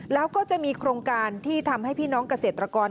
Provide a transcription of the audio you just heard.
แล้วก็จะมีโครงการที่ทำให้พี่น้องเกษตรกร